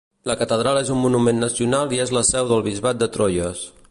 La catedral és un monument nacional i és la seu del Bisbat de Troyes.